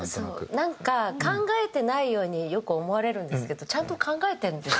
なんか考えてないようによく思われるんですけどちゃんと考えてるんですよ。